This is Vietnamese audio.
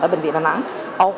ở bệnh viện đà nẵng